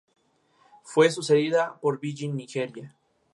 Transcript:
De padre italiano y madre francesa, nació en Dolores, Uruguay.